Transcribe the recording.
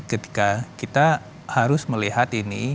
ketika kita harus melihat ini